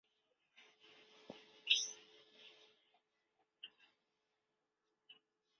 罗崇文退休后由李天柱接任其岗位。